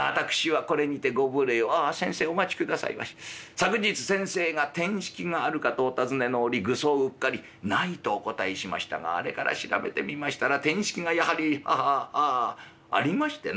昨日先生が『てんしきがあるか』とお尋ねの折愚僧うっかり『ない』とお答えしましたがあれから調べてみましたらてんしきがやはりははあああありましてな」。